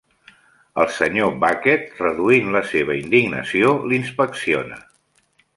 El Sr. Bucket, reduint la seva indignació, l'inspecciona.